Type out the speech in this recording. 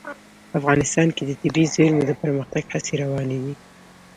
افغانستان کې د طبیعي زیرمې د پرمختګ هڅې روانې دي.